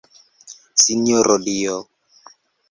Sinjoro Dio!